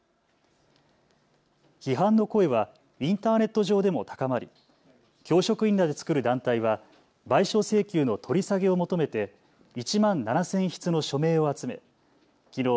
批判の声はインターネット上でも高まり教職員らで作る団体は賠償請求の取り下げを求めて１万７０００筆の署名を集めきのう